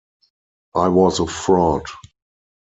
I was a fraud.